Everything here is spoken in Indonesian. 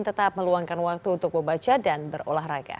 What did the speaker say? tetap meluangkan waktu untuk membaca dan berolahraga